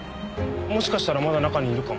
もしかしたらまだ中にいるかも。